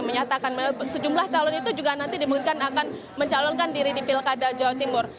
menyatakan sejumlah calon itu juga nanti dimungkinkan akan mencalonkan diri di pilkada jawa timur